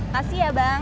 kasih ya bang